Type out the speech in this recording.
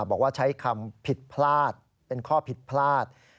บอกว่าใช้คำผิดพลาดเป็นข้อผิดพลาด